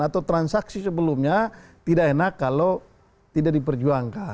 atau transaksi sebelumnya tidak enak kalau tidak diperjuangkan